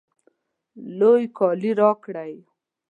لوی کالی راکړئ